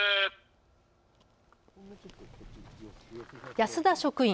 安田職員